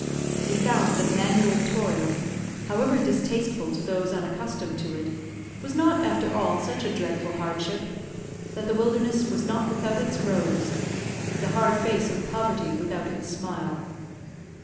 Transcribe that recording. We found that manual toil, however distasteful to those unaccustomed to it, was not after all such a dreadful hardship; that the wilderness was not without its rose, the hard face of poverty without its smile.